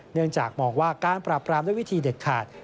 เนื่องจากมองว่าการปราบรามด้วยวิธีเด็ดขาด